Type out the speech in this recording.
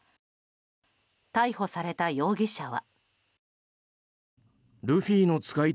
逮捕された容疑者は。